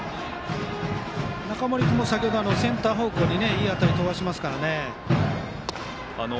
中森君も先程、センター方向にいい当たりを飛ばしていますからね。